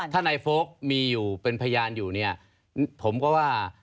ถ้านายโฟลกมีอยู่เป็นพยานอยู่เนี่ยผมก็ว่า